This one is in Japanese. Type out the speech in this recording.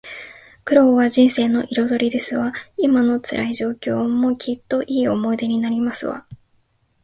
苦労は人生の彩りですわ。今の辛い状況も、きっといい思い出になりますわ